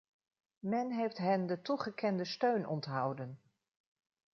Men heeft hen de toegekende steun onthouden.